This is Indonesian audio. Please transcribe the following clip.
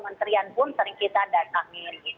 kementerian pun sering kita datangin